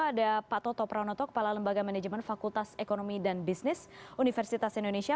ada pak toto pranoto kepala lembaga manajemen fakultas ekonomi dan bisnis universitas indonesia